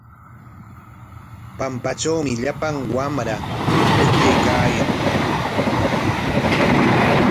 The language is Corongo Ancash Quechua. Pampatrawmi llapan wamra pukllaykaayan.